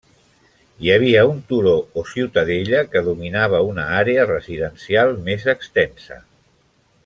Hi havia un turó o ciutadella que dominava una àrea residencial més extensa.